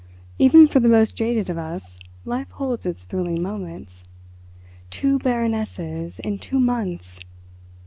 Even for the most jaded of us life holds its thrilling moments. Two Baronesses in two months!